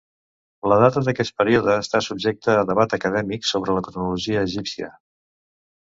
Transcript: La data d'aquest període està subjecta a debat acadèmic sobre la cronologia egípcia.